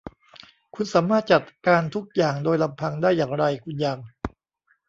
คุณสามารถจัดการทุกอย่างโดยลำพังได้อย่างไร คุณยัง